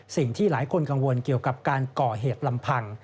สิ่งที่หลายคนกังวลเกี่ยวกับการก่อเหตุลำพัง